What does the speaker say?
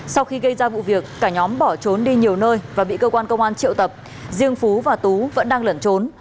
sau khi gây ra vụ việc cả nhóm bỏ trốn đi nhiều nơi và bị cơ quan công an triệu tập riêng phú và tú vẫn đang lẩn trốn